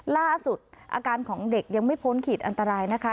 ล่าสุดอาการของเด็กยังไม่พ้นขีดอันตรายนะคะ